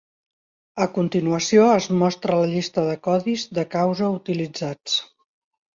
A continuació es mostra la llista de codis de causa utilitzats.